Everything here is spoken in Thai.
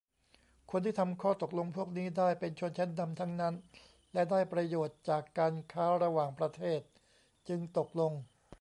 คนที่ทำข้อตกลงพวกนี้ได้ เป็นชนชั้นนำทั้งนั้น และได้ประโยชน์จากการค้าระหว่างประเทศ จึงตกลง